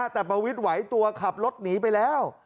แต่ประวิทย์ไหวตัวขับรถหนีไปแล้ว